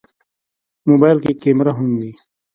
موبایل کې کیمره هم وي.